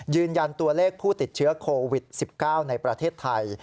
ยืนยันตัวเลขผู้ติดเชื้อโควิด๑๙ในประเทศไทย